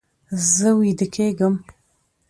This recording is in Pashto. زه ویده کیږم